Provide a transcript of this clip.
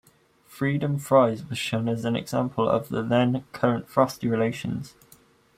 Freedom fries was shown as an example of the then-current frosty relations.